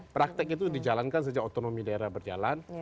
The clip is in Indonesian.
praktek itu dijalankan sejak otonomi daerah berjalan